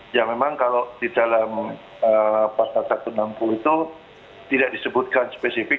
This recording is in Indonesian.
ya memang kalau di dalam pasal satu ratus enam puluh itu tidak disebutkan spesifik